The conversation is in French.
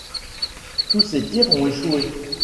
Tous ces tirs ont échoué.